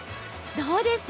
どうです？